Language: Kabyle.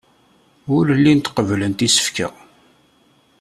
Ur llint qebblent isefka.